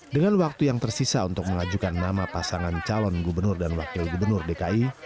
dengan waktu yang tersisa untuk mengajukan nama pasangan calon gubernur dan wakil gubernur dki